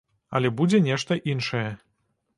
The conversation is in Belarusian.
Але будзе нешта іншае.